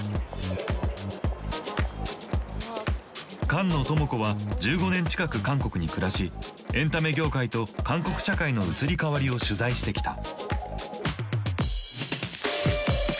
菅野朋子は１５年近く韓国に暮らしエンタメ業界と韓国社会の移り変わりを取材してきた。